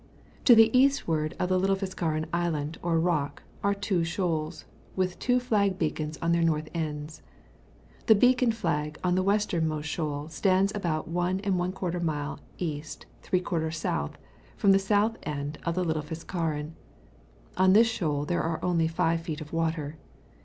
To the eastward of the Little Fiskaren Island or Rock are two shocds, with two flag beacons on their north ends. The beacon flag on the westernmost shoal stands about \\ mile E. } S. &om the south end of the Little Fiskaren : on this shoal there are only 5 feet water.